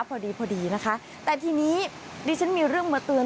พอดีพอดีนะคะแต่ทีนี้ดิฉันมีเรื่องมาเตือน